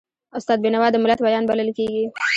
استاد بینوا د ملت ویاند بلل کېږي.